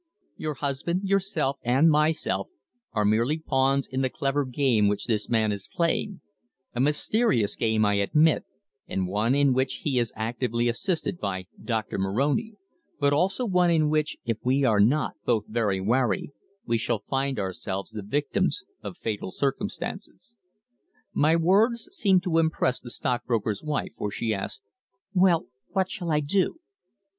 Your husband, yourself, and myself, are merely pawns in the clever game which this man is playing a mysterious game, I admit, and one in which he is actively assisted by Doctor Moroni but also one in which, if we are not both very wary, we shall find ourselves the victims of fatal circumstances." My words seemed to impress the stockbroker's wife, for she asked: "Well what shall I do?"